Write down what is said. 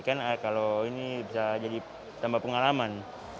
kan kalau ini bisa jadi tambah pengalaman